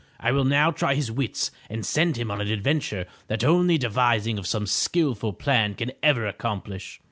I will now try his wits, and send him on an adventure that only the devising of some skillful plan can ever accomplish."